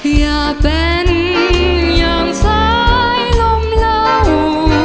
อยากเป็นอย่างซ้ายลมเหล่า